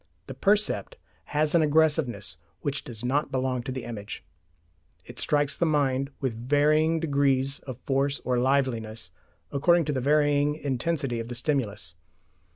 The percept has an aggressiveness which does not belong to the image. It strikes the mind with varying degrees of force or liveliness according to the varying intensity of the stimulus.